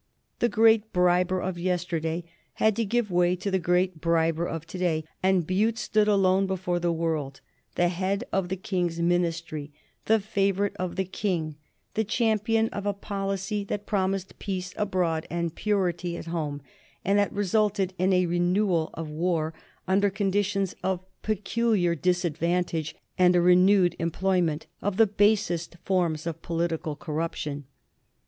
The great briber of yesterday had to give way to the great briber of to day, and Bute stood alone before the world, the head of the King's Ministry, the favorite of the King, the champion of a policy that promised peace abroad and purity at home, and that resulted in a renewal of war under conditions of peculiar disadvantage and a renewed employment of the basest forms of political corruption.